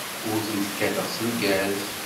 Ur tent-kkateɣ s lgaz.